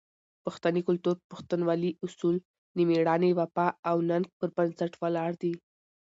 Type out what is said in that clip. د پښتني کلتور "پښتونولي" اصول د مېړانې، وفا او ننګ پر بنسټ ولاړ دي.